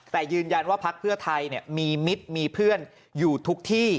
แต่ยืนยันว่าพักเพื่อไทยมีมิตรมีเพื่อนอยู่ทุกที่